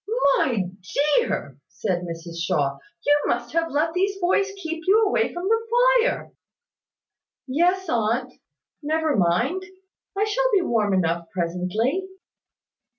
"My dear," said Mrs Shaw, "you have let these boys keep you away from the fire." "Yes, aunt; never mind! I shall be warm enough presently."